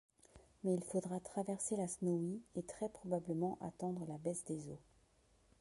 Mais il faudra traverser la Snowy, et très-probablement attendre la baisse des eaux.